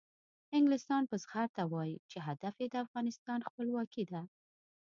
انګلستان په زغرده وایي چې هدف یې د افغانستان خپلواکي ده.